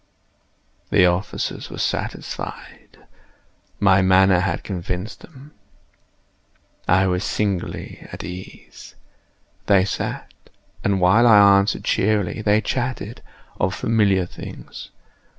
The officers were satisfied. My manner had convinced them. I was singularly at ease. They sat, and while I answered cheerily, they chatted of familiar things.